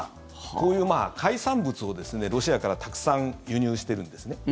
こういう海産物を、ロシアからたくさん輸入しているんですね。